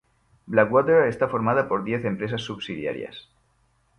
Blackwater está formada por diez empresas subsidiarias.